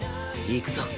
いくぞ！